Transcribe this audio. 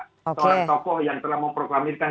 seorang tokoh yang telah memproklamirkan